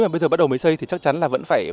mà bây giờ bắt đầu mới xây thì chắc chắn là vẫn phải